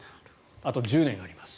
あと１０年あります。